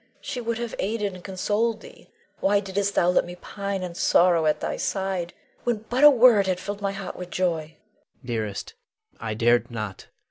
She would have aided and consoled thee. Why didst thou let me pine in sorrow at thy side, when but a word had filled my heart with joy? Louis. Dearest, I dared not.